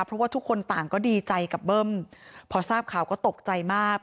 เพราะว่าทุกคนต่างก็ดีใจกับเบิ้มพอทราบข่าวก็ตกใจมาก